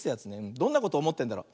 どんなことおもってんだろう。